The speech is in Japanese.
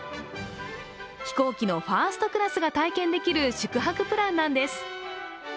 飛行機のファーストクラスが体験できる、宿泊プランなんです。